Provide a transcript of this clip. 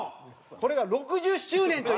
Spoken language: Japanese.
これが６０周年という。